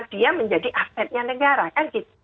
dia menjadi asetnya negara kan gitu